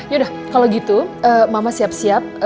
yaudah kalau gitu mama siap siap